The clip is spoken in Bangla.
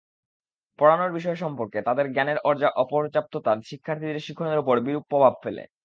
পড়ানোর বিষয় সম্পর্কে তাঁদের জ্ঞানের অপর্যাপ্ততা শিক্ষার্থীদের শিখনের ওপর বিরূপ প্রভাব ফেলে।